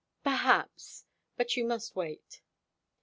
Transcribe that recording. "Perhaps. But you must wait."